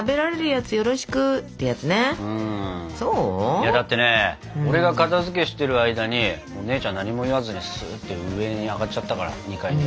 いやだってね俺が片づけしてる間に姉ちゃん何も言わずにスーッと上に上がっちゃったから２階に。